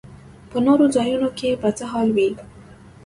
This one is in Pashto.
په نورو ځایونو کې به څه حال وي.